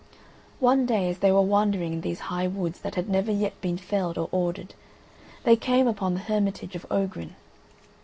One day, as they were wandering in these high woods that had never yet been felled or ordered, they came upon the hermitage of Ogrin.